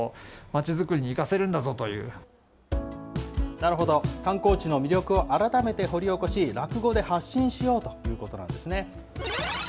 なるほど、観光地の魅力を改めて掘り起こし、落語で発信しようということなんですね。